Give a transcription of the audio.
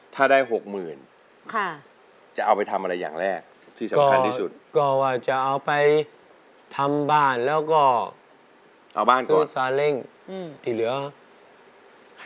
ถ้าได้๖๐๐๐๐บาทจะเอาไปทำอะไรอย่างแรกที่สำคัญที่สุด